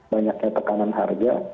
banyaknya tekanan harga